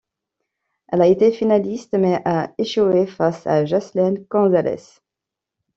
Elle a été finaliste mais a échoué face à Jaslene Gonzalez.